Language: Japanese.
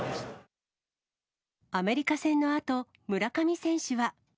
アメリカ戦のあと、村上選手